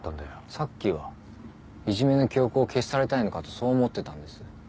さっきはいじめの記憶を消し去りたいのかとそう思ってたんです。